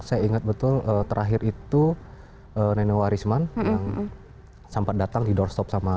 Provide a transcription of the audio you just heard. saya ingat betul terakhir itu nenewa arisman yang sempat datang di doorstop sama